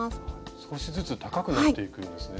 少しずつ高くなっていくんですね？